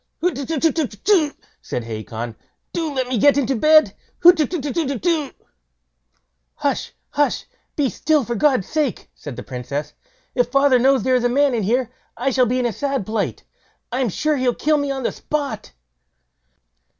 "Hutetutetutetu!" said Hacon; "do let me get into bed. Hutetutetutetu." "Hush! hush! be still for God's sake", said the Princess; "if father knows there is a man in here, I shall be in a sad plight. I'm sure he'll kill me on the spot."